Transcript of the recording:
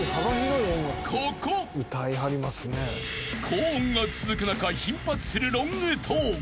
［高音が続く中頻発するロングトーン］